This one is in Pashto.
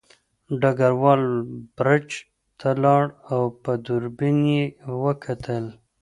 ډګروال برج ته لاړ او په دوربین کې یې وکتل